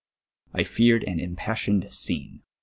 I feared an impassioned scene.